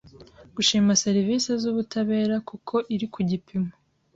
gushima serivisi z ubutabera kuko iri ku gipimo